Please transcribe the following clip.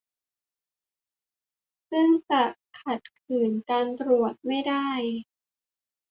ซึ่งจะขัดขืนการตรวจไม่ได้